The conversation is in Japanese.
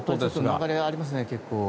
まだちょっと流れ、ありますね。